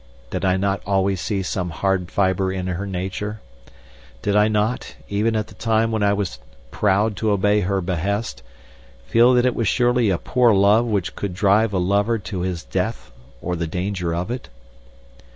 Did I not always see some hard fiber in her nature? Did I not, even at the time when I was proud to obey her behest, feel that it was surely a poor love which could drive a lover to his death or the danger of it?